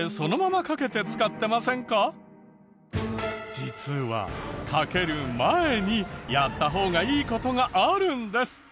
実はかける前にやった方がいい事があるんです。